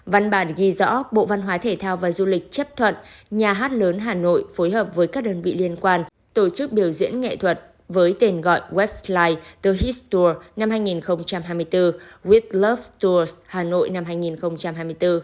văn bản được ghi rõ bộ văn hóa thể thao và du lịch chấp thuận nhà hát lớn hà nội phối hợp với các đơn vị liên quan tổ chức biểu diễn nghệ thuật với tên gọi westlife the hist tour năm hai nghìn hai mươi bốn whitluf tour hà nội năm hai nghìn hai mươi bốn